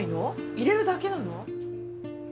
入れるだけなの？